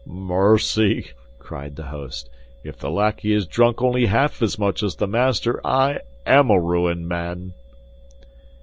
"Mercy!" cried the host, "if the lackey has drunk only half as much as the master, I am a ruined man."